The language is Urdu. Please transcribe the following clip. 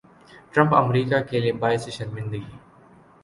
ٹرمپ امریکا کیلئے باعث شرمندگی